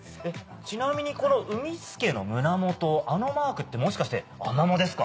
ちなみにうみスケの胸元あのマークってもしかしてアマモですか？